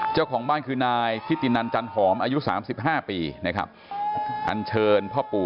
เจ้าของบ้านคือนายทิตินันจันหอมอายุ๓๕ปีนะครับอันเชิญพ่อปู่